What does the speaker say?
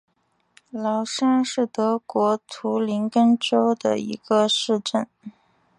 劳沙是德国图林根州的一个市镇。